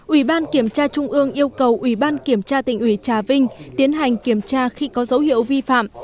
ủy ban kiểm tra trung ương yêu cầu ủy ban kiểm tra tỉnh ủy trà vinh tiến hành kiểm tra khi có dấu hiệu vi phạm